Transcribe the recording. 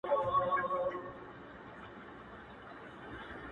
چي وائې ورې، ووايه، چي وې وينې، مه وايه.